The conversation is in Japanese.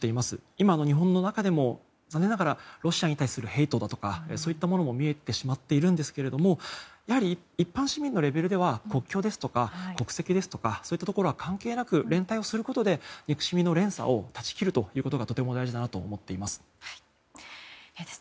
今の日本の中でも、残念ながらロシアに対するヘイトだとかそういったものも見えてしまっているんですけども一般市民のレベルでは国境とか国籍とかそういったところは関係なく連帯することで憎しみの連鎖を断ち切ることがとても大事だなと思っています。